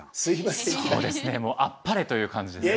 そうですねもうあっぱれ！という感じですね。